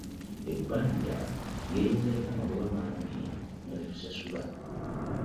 Ebbanja lyeyongerako amagoba mangi nga tetusasula.